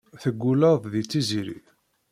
Teggulleḍ deg Tiziri.